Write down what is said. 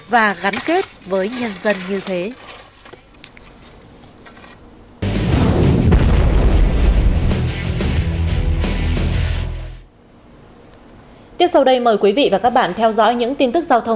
và gắn kết với nhân dân như thế